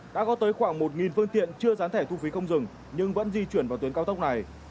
đã có tới khoảng một phương tiện chưa gián thẻ thu phí không dừng nhưng vẫn di chuyển vào tuyến cao tốc này